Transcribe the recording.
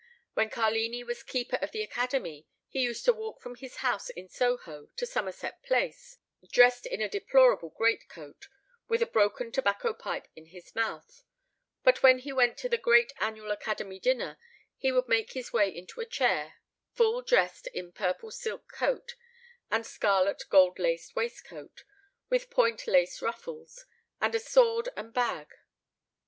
When Carlini was keeper of the Academy, he used to walk from his house in Soho to Somerset Place, dressed in a deplorable greatcoat, and with a broken tobacco pipe in his mouth; but when he went to the great annual Academy dinner, he would make his way into a chair, full dressed in a purple silk coat, and scarlet gold laced waistcoat, with point lace ruffles, and a sword and bag.